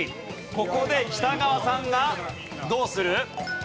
ここで北川さんがどうする？